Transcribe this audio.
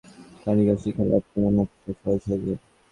প্রাথমিক শিক্ষা অর্জন করলে কারিগরি শিক্ষা লাভ করা অনেকটা সহজ হয়ে যায়।